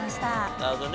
なるほどね。